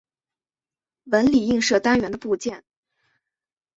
纹理映射单元的部件。